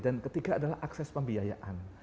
dan ketiga adalah akses pembiayaan